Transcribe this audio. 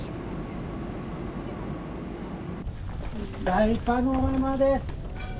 大パノラマです！